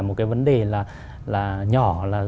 một cái vấn đề là nhỏ